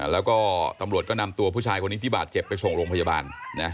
แล้วก็ตำรวจก็นำตัวผู้ชายคนนี้ที่บาดเจ็บไปส่งโรงพยาบาล